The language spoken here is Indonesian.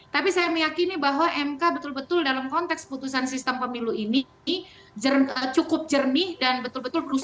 tapi saya meyakini bahwa mk betul betul dalam konteks putusan sistem pemilu ini cukup jernih dan betul betul berusaha